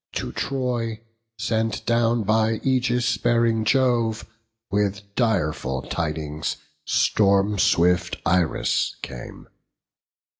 To Troy, sent down by aegis bearing Jove, With direful tidings storm swift Iris came.